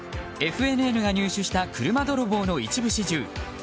ＦＮＮが入手した車泥棒の一部始終。